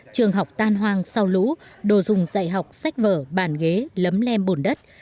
trường học tan hoang sau lũ đồ dùng dạy học sách vở bàn ghế lấm lem bùn đất